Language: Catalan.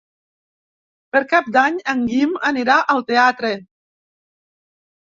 Per Cap d'Any en Guim anirà al teatre.